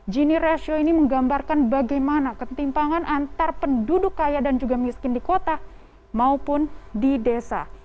gini ratio ini menggambarkan bagaimana ketimpangan antar penduduk kaya dan juga miskin di kota maupun di desa